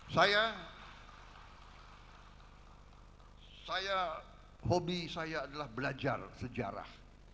saya hobi saya adalah belajar sejarah